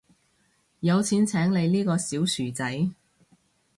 有錢請你呢個小薯仔